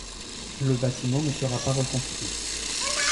Le bâtiment ne sera pas reconstruit.